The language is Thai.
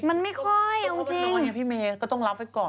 มันไม่ค่อยอันจริง